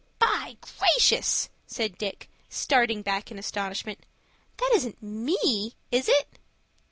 "By gracious!" said Dick, starting back in astonishment, "that isn't me, is it?"